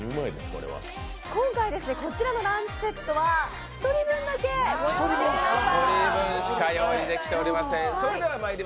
今回、こちらのランチセットは１人分だけご用意できました。